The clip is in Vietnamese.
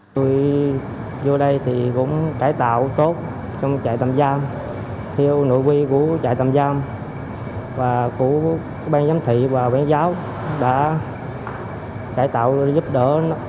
tôi vô đây thì cũng cải tạo tốt trong trại tạm giam theo nội quy của trại tạm giam và của ban giám thị và ban giáo đã cải tạo giúp đỡ